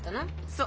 そう。